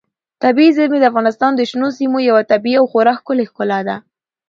طبیعي زیرمې د افغانستان د شنو سیمو یوه طبیعي او خورا ښکلې ښکلا ده.